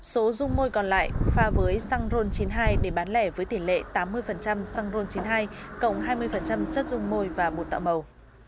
số dung môi còn lại pha với xăng ron chín mươi hai để bán lẻ với tỷ lệ tám mươi xăng ron chín mươi hai cộng hai mươi chất dung môi và bột tạo màu